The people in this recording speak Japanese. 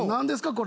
これ。